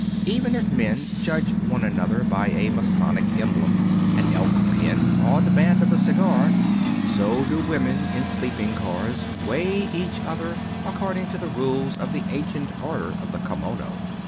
Even as men judge one another by a Masonic emblem, an Elk pin, or the band of a cigar, so do women in sleeping cars weigh each other according to the rules of the Ancient Order of the Kimono.